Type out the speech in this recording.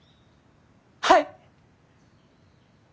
はい！